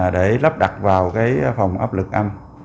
để lắp đặt vào cái phòng áp lực âm